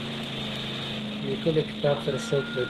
نیکه له کتاب سره شوق لري.